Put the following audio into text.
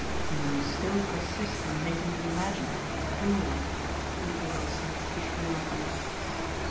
"You still persist in making the imaginary real," the earl said good humouredly.